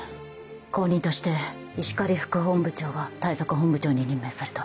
後任として石狩副本部長が対策本部長に任命された。